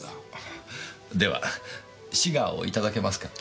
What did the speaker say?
ではシガーをいただけますか？